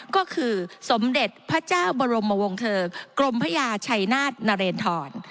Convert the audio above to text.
ก็คือสมเด็จพระเจ้าบรมวงเทอร์กรมพญาชัยนาธนเรนทร